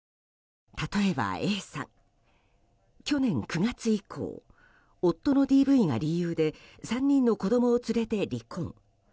例えばＡさん、去年９月以降夫のＤＶが理由で３人の子供を連れて離婚。